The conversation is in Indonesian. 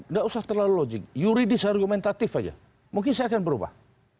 nggak usah terlalu logik yuridis argumentatif saja mungkin saya akan berubah